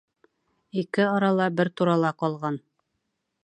Ике арала, бер турала ҡалған.